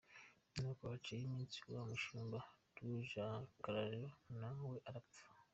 Nuko haciyeho iminsi wa mushumba Rwujakararo na we arapfa.